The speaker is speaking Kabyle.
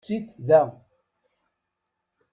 Sit da.